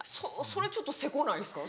それちょっとせこないですか？